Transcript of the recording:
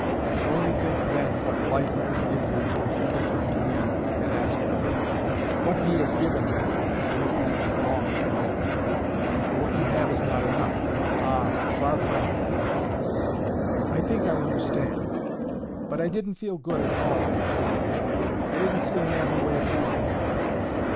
And only think then what light He can give you if you will turn to Him and ask for it. What He has given you should make you long for more; for what you have is not enough—ah! far from it." "I think I understand. But I didn't feel good at all in the matter. I didn't see any other way of doing."